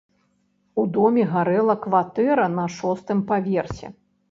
У доме гарэла кватэра на шостым паверсе.